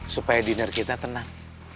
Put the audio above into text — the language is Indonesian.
supaya diner kita tenang